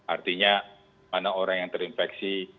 artinya mana orang yang terinfeksi